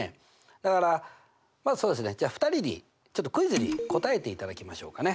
だからまずはそうですねじゃあ２人にちょっとクイズに答えていただきましょうかね。